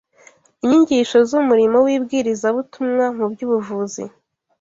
inyigisho z’umurimo w’ibwirizabutumwa mu by’ubuvuzi